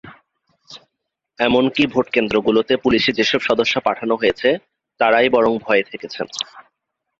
এমনকি ভোটকেন্দ্রগুলোতে পুলিশের যেসব সদস্য পাঠানো হয়েছে, তাঁরাই বরং ভয়ে থেকেছেন।